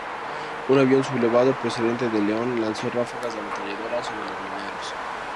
Un avión sublevado procedente de León lanzó ráfagas de ametralladora sobre los mineros.